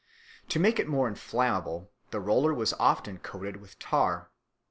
To make it more inflammable the roller was often coated with tar.